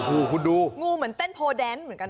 อุ้ยงูเหมือนเต้นโพเด้นเหมือนกัน